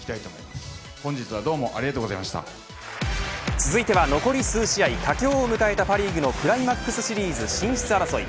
続いては残り数試合佳境を迎えたパ・リーグのクライマックスシリーズ進出争い。